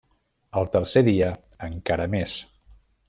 Al tercer dia encara més.